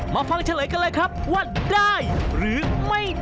ฟังเฉลยกันเลยครับว่าได้หรือไม่ได้